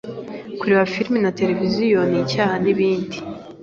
kureba filimi na televiziyo ni icyah, n’ibindi.